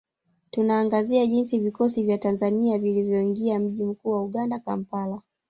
Tunaangazia jinsi vikosi vya Tanzania vilivyoingia mji mkuu wa Uganda Kampala